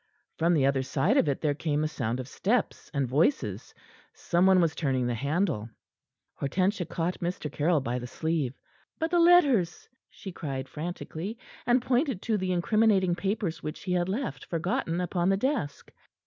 From the other side of it there came a sound of steps and voices. Some one was turning the handle. Hortensia caught Mr. Caryll by the sleeve. "But the letters!" she cried frantically, and pointed to the incriminating papers which he had left, forgotten, upon the desk.